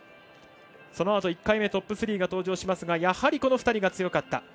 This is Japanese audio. そのあと、１回目トップ３が登場しますがやはり、この２人が強かった。